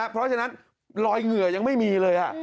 เพราะฉะนั้นรอยเหงื่อยังไม่มีเลย